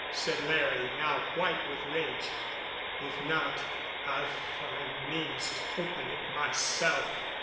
said Larry, now white with rage. "If not, I'll find means to open it myself."